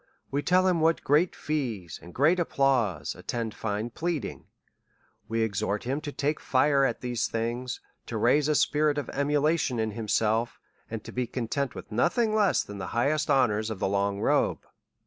We teli him what great fees, and great applause attend fine pleading. We exhort him to take fire at these things, to raise a spirit of emulation in himself, and to be content with nothing less than the highest honours of the long robe.